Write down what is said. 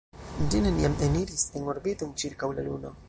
Ĝi neniam eniris en orbiton ĉirkaŭ la Luno.